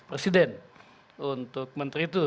presiden untuk menteri itu